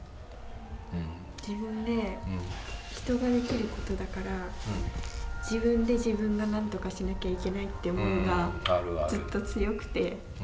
自分で人ができることだから自分で自分がなんとかしなきゃいけないって思いがずっと強くて。